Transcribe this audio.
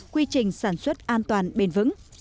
quy trình sản xuất an toàn bền vững